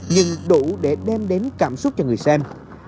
nhưng đủ để đem đến cảm xúc cho người xem